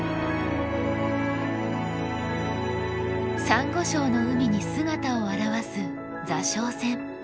サンゴ礁の海に姿を現す座礁船。